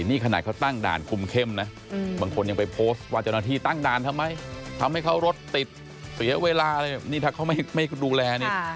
นี่ขนาดเขาตั้งด่านคุมเข้มนะบางคนยังไปโพสต์ว่าเจ้าหน้าที่ตั้งด่านทำไมทำให้เขารถติดเสียเวลาอะไรแบบนี้ถ้าเขาไม่ดูแลนี่